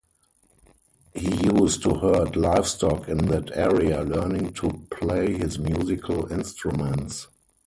He used to herd livestock in that area, learning to play his musical instruments.